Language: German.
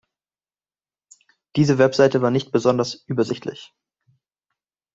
Diese Website war nicht besonders übersichtlich.